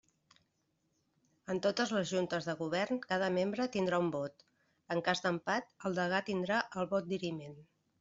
En totes les Juntes de Govern cada membre tindrà un vot, en cas d'empat el degà tindrà el vot diriment.